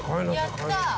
やった。